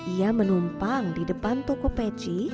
ia menumpang di depan toko peci